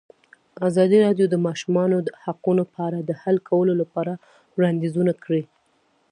ازادي راډیو د د ماشومانو حقونه په اړه د حل کولو لپاره وړاندیزونه کړي.